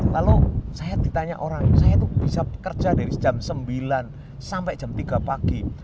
lalu saya ditanya orang saya itu bisa bekerja dari jam sembilan sampai jam tiga pagi